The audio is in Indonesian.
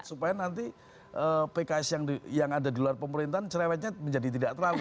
supaya nanti pks yang ada di luar pemerintahan cerewetnya menjadi tidak terlalu